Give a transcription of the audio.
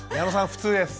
普通です。